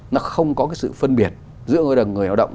nó không có cái sự phân biệt giữa người lao động